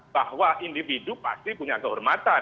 bahwa individu pasti punya kehormatan